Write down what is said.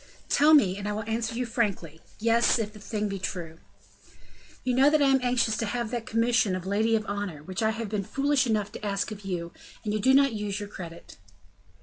"Tell me, and I will answer you frankly, yes, if the thing be true." "You know that I am anxious to have that commission of lady of honor, which I have been foolish enough to ask of you, and you do not use your credit."